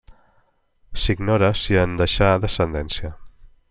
S'ignora si en deixà descendència.